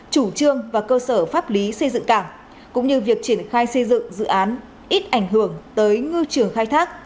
chủ trương và cơ sở pháp lý xây dựng cảng cũng như việc triển khai xây dựng dự án ít ảnh hưởng tới ngư trường khai thác